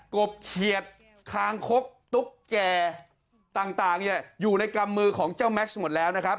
บเขียดคางคกตุ๊กแก่ต่างอยู่ในกำมือของเจ้าแม็กซ์หมดแล้วนะครับ